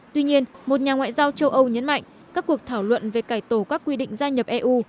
tuy nhiên một nhà ngoại giao châu âu nhấn mạnh các cuộc thảo luận về cải tổ các quy định gia nhập eu